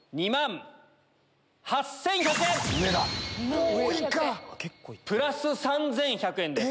２万８１００円。